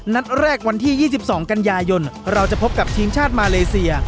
นัดแรกวันที่๒๒กันยายนเราจะพบกับทีมชาติมาเลเซีย